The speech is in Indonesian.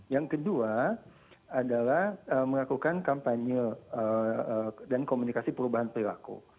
yang kedua adalah melakukan kampanye dan komunikasi perubahan perilaku